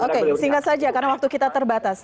oke singkat saja karena waktu kita terbatas